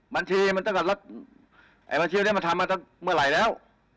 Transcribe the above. บัญชีมันตั้งแต่บัญชีนี้มันทำมาตั้งเมื่อไหร่แล้ว